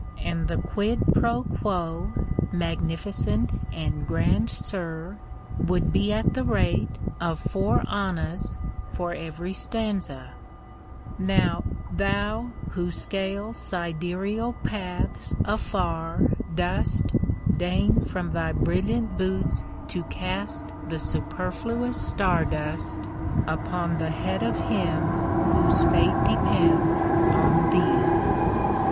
And the quid pro quo, magnificent and grand Sir! Would be at the rate of four annas for every stanza, Now, thou who scale sidereal paths afar dost, Deign from thy brilliant boots to cast the superfluous star dust Upon The head of him Whose fate depends On Thee!